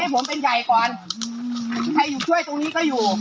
ผมเป็นใหญ่ก่อนใครอยู่ช่วยตรงนี้ก็อยู่